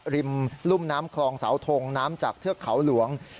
รุ่มน้ำคลองเสาทงน้ำจากเทือกเขาหลวง